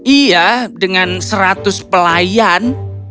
iya dengan seratus pelayan